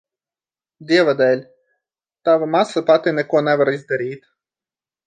Dieva dēļ, tava māsa pati neko nevar izdarīt.